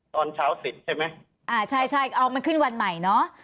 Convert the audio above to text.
ตอนเช้าติดใช่ไหมอ่าใช่ใช่เอามันขึ้นวันใหม่เนอะ